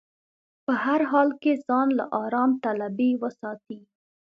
په هر حال کې ځان له ارام طلبي وساتي.